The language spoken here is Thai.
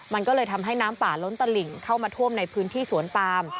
มันก็เลยทำให้น้ำป่าล้นตลิ่งเข้ามาท่วมในพื้นที่สวนปาม